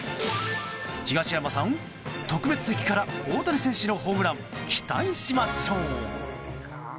東山さん、特別席から大谷選手のホームラン期待しましょう！